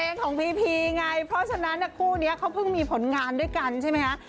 เพลงของพีพีไงเพราะฉะนั้นคู่นี้เขาเพิ่งมีผลงานด้วยกันใช่ไหมคะ